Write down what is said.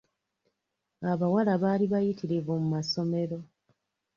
Abawala baali bayitirivu mu masomero.